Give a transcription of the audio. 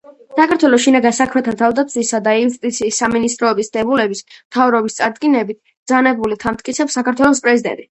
საქართველოს შინაგან საქმეთა, თავდაცვისა და იუსტიციის სამინისტროების დებულებებს მთავრობის წარდგინებით, ბრძანებულებით ამტკიცებს საქართველოს პრეზიდენტი.